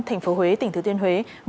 tp huế tỉnh thứ tiên huế